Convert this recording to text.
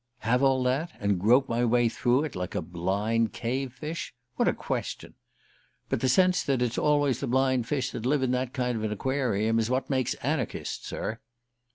"Have all that, and grope my way through it like a blind cave fish? What a question! But the sense that it's always the blind fish that live in that kind of aquarium is what makes anarchists, sir!"